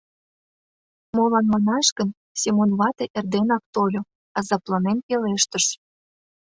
Молан манаш гыл, Семон вате эрденак тольо, азапланен пелештыш: